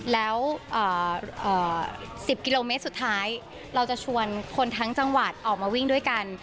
แล้ว๑๐กิโลเมตรสุดท้ายเราจะชวนคนทั้งจังหวัดออกมาวิ่งด้วยกัน